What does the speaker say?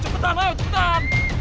cepetan ayo cepetan